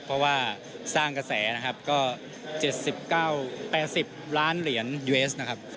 เพราะว่าสร้างกระแสนะครับก็๗๙๘๐ล้านเหรียญเวสนะครับ